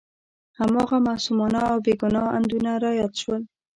هماغه معصومانه او بې ګناه اندونه را یاد شول.